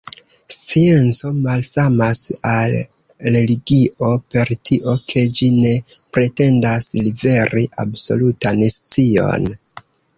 Scienco malsamas al religio, per tio, ke ĝi ne pretendas liveri absolutan scion.